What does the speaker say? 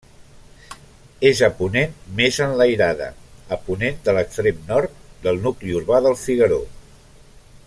És a ponent, més enlairada, a ponent de l'extrem nord del nucli urbà del Figueró.